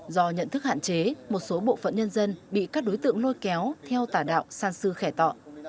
do nhận thức hạn chế một số bộ phận nhân dân bị các đối tượng lôi kéo theo tà đạo san sư khẻ tọ